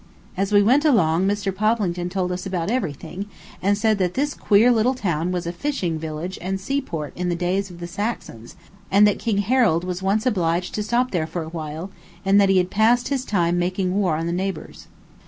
As we went along Mr. Poplington told us about everything, and said that this queer little town was a fishing village and seaport in the days of the Saxons, and that King Harold was once obliged to stop there for a while, and that he passed his time making war on the neighbors.